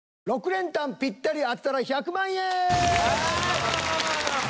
６連単ぴったり当てたら１００万円！